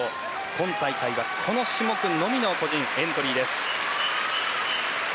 今大会はこの種目のみの個人エントリーです。